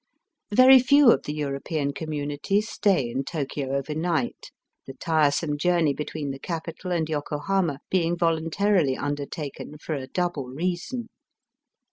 Very few of the European community stay in Tokio overnight, the tiresome journey between the capital and Yokohama being voluntarily undertaken for a double reason.